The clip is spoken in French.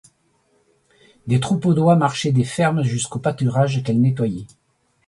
Des troupeaux d'oies marchaient des fermes jusqu'aux pâturages qu'elles nettoyaient.